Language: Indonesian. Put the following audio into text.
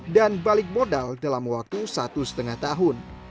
dan balik modal dalam waktu satu setengah tahun